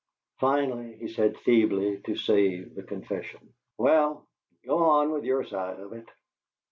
Finally he said, feebly, to save the confession, "Well, go on with your side of it."